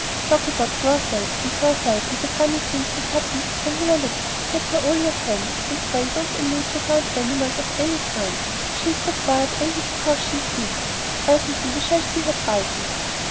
"Talk about yourself and herself and the funny things that happened when you were little, and pet her all you can; but pray don't allude to horned animals of any kind. She's so quiet only because she is weak. Presently we shall see her brighten."